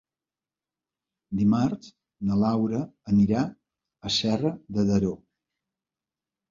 Dimarts na Laura anirà a Serra de Daró.